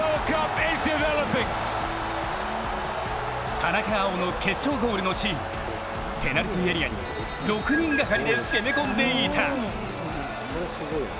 田中碧の決勝ゴールのシーン、ペナルティーエリアに６人がかりで攻め込んでいた。